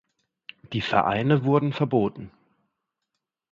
Die Vereine wurden verboten.